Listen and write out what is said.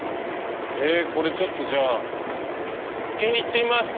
これちょっとじゃあ見つけに行ってみます！